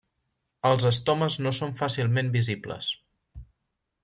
Els estomes no són fàcilment visibles.